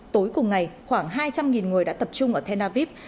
tối cùng ngày khoảng hai trăm linh người đã tập trung ở tel aviv